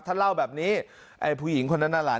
ถ้าเล่าแบบนี้ไอ้ผู้หญิงคนนั้นน่ะหลาน